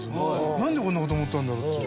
なんでこんな事思ったんだろう？っていう。